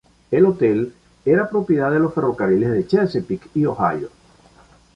El Hotel era propiedad de los Ferrocarriles de Chesapeake y Ohio.